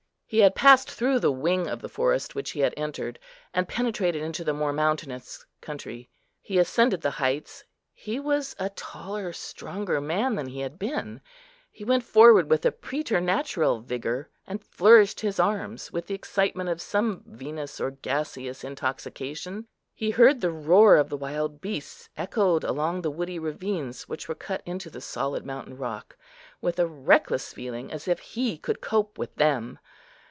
He had passed through the wing of the forest which he had entered, and penetrated into the more mountainous country. He ascended the heights; he was a taller, stronger man than he had been; he went forward with a preternatural vigour, and flourished his arms with the excitement of some vinous or gaseous intoxication. He heard the roar of the wild beasts echoed along the woody ravines which were cut into the solid mountain rock, with a reckless feeling, as if he could cope with them.